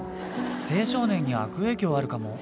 青少年に悪影響あるかも。